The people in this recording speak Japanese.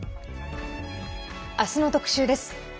明日の特集です。